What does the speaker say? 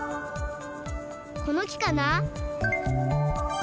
この木かな？